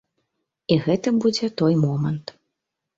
І гэта будзе той момант.